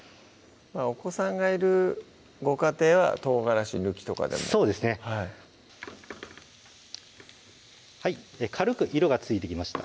お子さんがいるご家庭は唐辛子抜きとかでもそうですね軽く色がついてきました